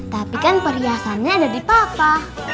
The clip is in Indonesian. tapi kan perhiasannya ada di papa